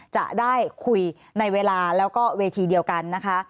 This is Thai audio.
จะได้คุยในเวลาแล้วก็เวทีเดียวกันนะคะ